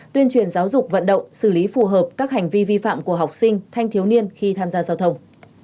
tuyên truyền giáo dục vận động xử lý phù hợp các hành vi vi phạm của học sinh thanh thiếu niên khi tham gia giao thông